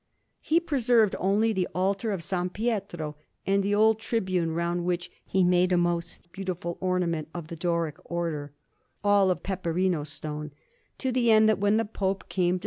He preserved only the altar of S. Pietro, and the old tribune, round which he made a most beautiful ornament of the Doric Order, all of peperino stone, to the end that when the Pope came to S.